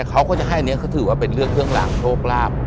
เขาก็จะให้เนื้อคือถือว่าเป็นเรือเครื่องลางโชคลาภ